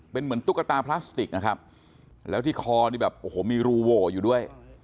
เป็นเหมือนตุ๊กตาพลาสติกนะครับแล้วที่คอนี่แบบโอ้โหมีรูโหวอยู่ด้วย